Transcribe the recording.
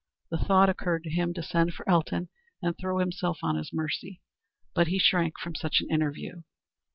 The thought occurred to him to send for Elton and throw himself on his mercy, but he shrank from such an interview.